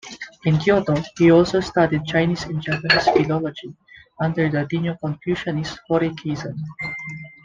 In Kyoto, he also studied Chinese and Japanese philology under the neo-Confucianist Hori Keizan.